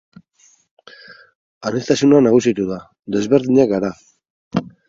Aniztasuna nagusitu da, desberdinak gara.